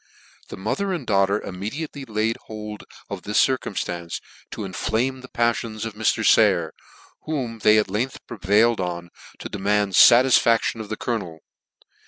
The mother and daughter immediately laid hold of this circumftance to inflame the paffions of Mr. Sayer, whom they at length prevailed on to demand fatisfaclion of the colonel.